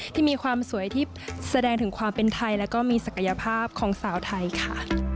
ที่มีความสวยที่แสดงถึงความเป็นไทยแล้วก็มีศักยภาพของสาวไทยค่ะ